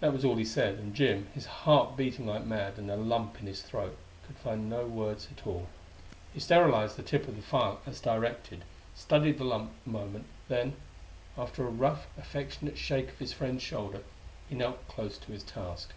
That was all he said; and Jim, his heart beating like mad, and a lump in his throat, could find no words at all. He sterilized the tip of the file as directed, studied the lump a moment, then, after a rough, affectionate shake of his friend's shoulder, he knelt close to his task.